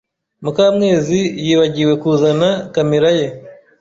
Mukamwezi yibagiwe kuzana kamera ye.